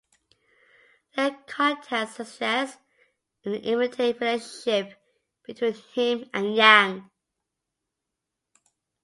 Their contents suggest an intimate relationship between him and Yang.